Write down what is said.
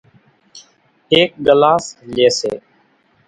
ايڪ ڳلاس لئي سي